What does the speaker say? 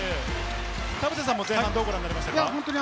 田臥さんはどうご覧になりましたか？